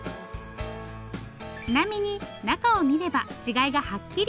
ちなみに中を見れば違いがはっきり。